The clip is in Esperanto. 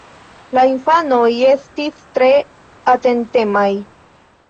La infanoj estis tre atentemaj.